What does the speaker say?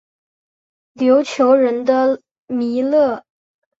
琉球人的弥勒。